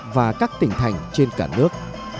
và các tỉnh thành trên cả nước